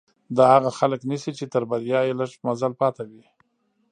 دا هغه خلک نيسي چې تر بريا يې لږ مزل پاتې وي.